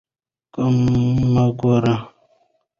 کم مه ورکوئ.